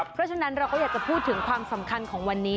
เพราะฉะนั้นเราก็อยากจะพูดถึงความสำคัญของวันนี้